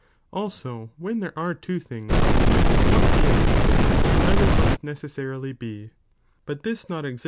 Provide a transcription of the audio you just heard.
Also when there are two things,'" if one is,'* the otber " must necessarily be, but this not ' i.